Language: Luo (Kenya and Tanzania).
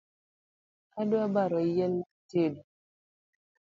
Adwa baro yien mar tedo